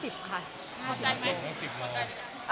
พอใจมั้ย